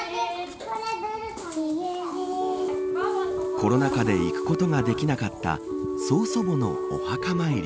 コロナ禍で行くことができなかった曽祖母のお墓参り。